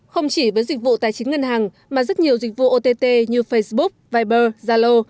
không chỉ với dịch vụ tài chính ngân hàng mà rất nhiều dịch vụ ott như facebook viber zalo